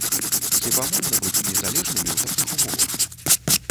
Хіба можна быць незалежнымі ў такіх умовах?